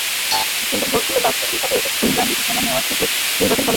কিন্তু ভোটগুলো বাক্সে কীভাবে এসেছে সেটা বিবেচনায় নেওয়ার সুযোগ নির্বাচন কমিশনের নেই।